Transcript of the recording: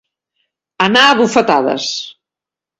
Anar a bufetades.